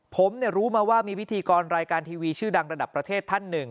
ผมรู้มาว่ามีพิธีกรรายการทีวีชื่อดังระดับประเทศท่านหนึ่ง